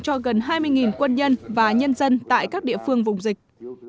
cho gần hai mươi quân nhân và nhân dân tại các địa phương vùng dịch